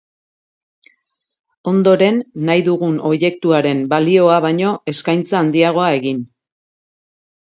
Ondoren, nahi dugun objektuaren balioa baino eskaintza handiagoa egin.